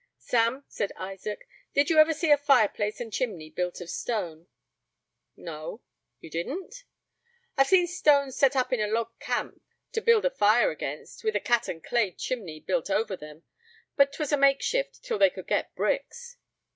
"Sam," said Isaac, "did you ever see a fireplace and chimney built of stone?" "No." "You didn't?" "I've seen stones set up in a log camp to build a fire against, with a 'cat and clay' chimney built over them; but 'twas a make shift till they could get bricks."